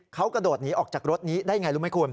เขากระโดดหนีออกจากรถนี้ได้อย่างไรรู้ไหมคุณ